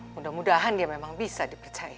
mudah mudahan dia memang bisa dipercaya